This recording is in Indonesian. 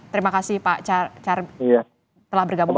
terima kasih pak cara telah bergabung